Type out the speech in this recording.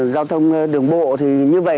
giao thông đường bộ thì như vậy